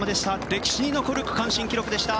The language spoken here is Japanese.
歴史に残る区間新記録でした。